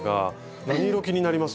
何色気になります？